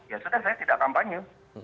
ya sudah saya tidak kampanye